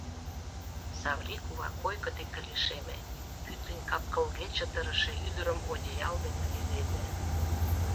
Савлий кува койко деке лишеме, пӱтынь кап-кылге чытырыше ӱдырым одеял дене леведе.